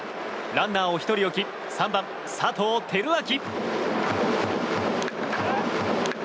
ランナーを１人置き３番、佐藤輝明。